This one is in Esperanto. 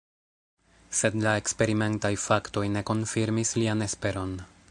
Sed la eksperimentaj faktoj ne konfirmis lian esperon.